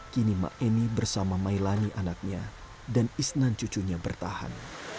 kini maemi bersama mailani anaknya dan isnan cucunya bertahan